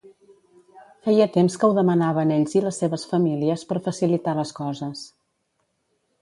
Feia temps que ho demanaven ells i les seves famílies per facilitar les coses.